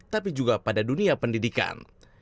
tapi juga pada dunia pendidikan